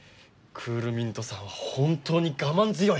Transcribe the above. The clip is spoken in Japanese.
クールミントさんは本当に我慢強い。